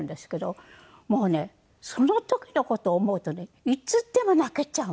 もうねその時の事を思うとねいつでも泣けちゃう。